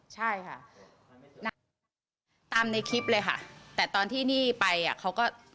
ใช่ค่ะ